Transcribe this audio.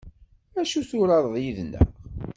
Ad turareḍ yid-neɣ?